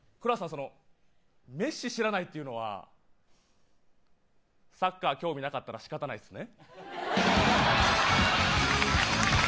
そのメッシを知らないというのはサッカー興味なかったら仕方ないですね。